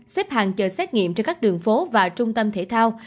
xếp hàng chờ xét nghiệm trên các đường phố và trung tâm thể thao